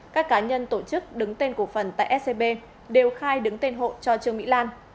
các cá nhân tổ chức đứng tên cổ phần tại scb đều khai đứng tên hộ cho trương mỹ lan